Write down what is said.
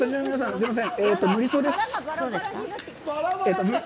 すいません。